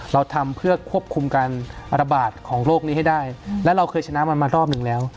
เราทำเพื่อควบคุมการระบาดของโรคนี้ให้ได้และเราเคยชนะมันมารอบหนึ่งแล้ว